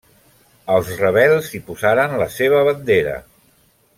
Els rebels hi posaren la seva bandera.